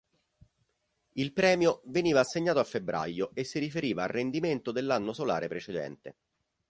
Il premio veniva assegnato a febbraio, e si riferiva al rendimento dell'anno solare precedente.